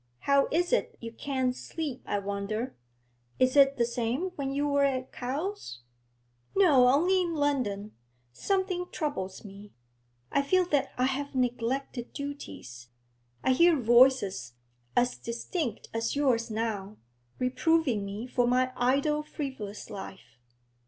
How is it you can't sleep, I wonder? Is it the same when you are at Cowes?' 'No, only in London. Something troubles me; I feel that I have neglected duties. I hear voices, as distinct as yours now, reproving me for my idle, frivolous life.'